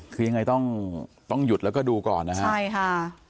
คือยังไงต้องหยุดแล้วก็ดูก่อนนะครับ